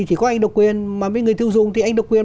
chỉ có anh độc quyền mà với người tiêu dùng thì anh độc quyền